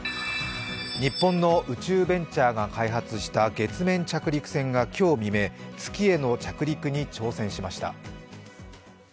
日本の宇宙ベンチャーが開発した月面着陸船が今日未明、月への着陸に挑戦しました。